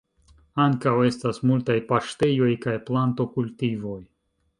Ankaŭ estas multaj paŝtejoj kaj planto-kultivoj.